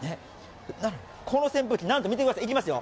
この扇風機、なんと見てください、いきますよ。